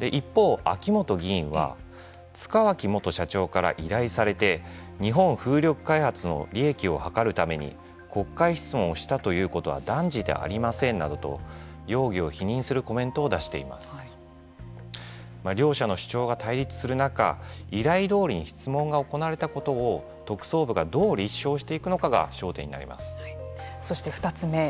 一方、秋本議員は塚脇元社長から依頼されて日本風力開発の利益を図るために国会質問をしたということは断じてありませんなどと容疑を否認するコメントを出しています。両者の主張が対立する中依頼どおりに質問が行われたことを特捜部がどう立証していくのかがそして２つ目。